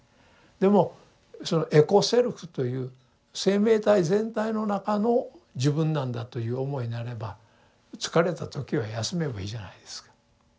でもそのエコ・セルフという生命体全体の中の自分なんだという思いになれば疲れた時は休めばいいじゃないですか。